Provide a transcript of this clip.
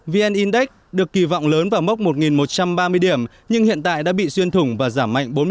viên index được kỳ vọng lớn vào mốc một một trăm ba mươi điểm nhưng hiện tại đã bị xuyên thủng và giảm mạnh bốn mươi bốn